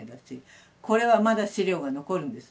これはまだ資料が残るんです。